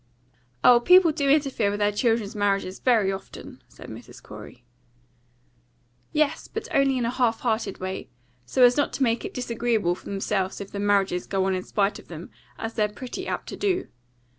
"Oh, people do interfere with their children's marriages very often," said Mrs. Corey. "Yes, but only in a half hearted way, so as not to make it disagreeable for themselves if the marriages go on in spite of them, as they're pretty apt to do.